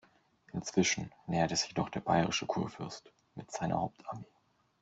Inzwischen näherte sich jedoch der bayerische Kurfürst mit seiner Hauptarmee.